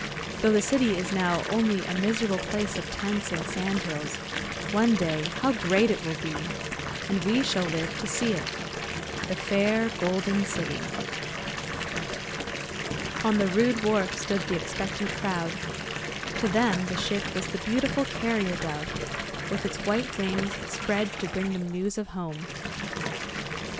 Though the city is now only a miserable place of tents and sand hills, one day how great it will be, and we shall live to see it. The fair Golden City." On the rude wharf stood the expectant crowd. To them the ship was the beautiful carrier dove, with its white wings spread to bring them news of home.